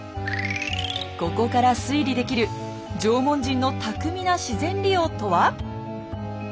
ここから推理できる縄文人の巧みな自然利用とは？